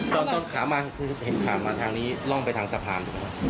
ตอนขามาคือเห็นขามาทางนี้ร่องไปทางสะพาน